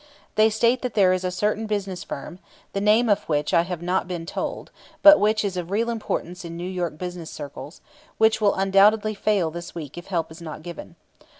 They state that there is a certain business firm (the name of which I have not been told, but which is of real importance in New York business circles), which will undoubtedly fail this week if help is not given.